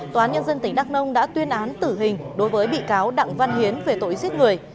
tòa án nhân dân tỉnh đắk nông đã tuyên án tử hình đối với bị cáo đặng văn hiến về tội giết người